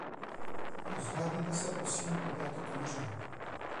Rozhlédněte se prosím po této komoře.